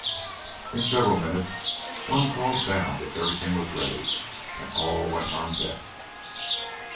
In several minutes one called down that everything was ready, and all went on deck.